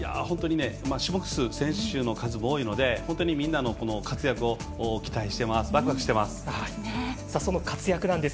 種目数、選手数も多いのでみんなの活躍を期待しています。